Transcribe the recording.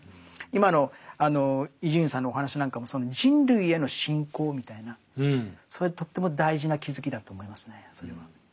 今の伊集院さんのお話なんかもその人類への信仰みたいなそれとっても大事な気付きだと思いますねそれは。